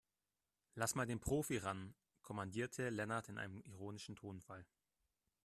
Lass mal den Profi ran, kommandierte Lennart in einem ironischen Tonfall.